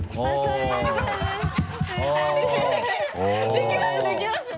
できますできます。